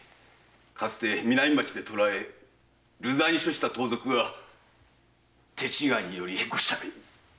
かつて南町で捕らえ流罪に処した盗賊が手違いによりご赦免に。